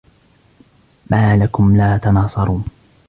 ما لكم لا تناصرون